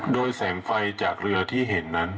โดยแสงไฟจากเรือที่เห็นนั้น